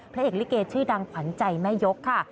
พระเอกลิเกชื่อดังขวัญใจแม่ยกค่ะ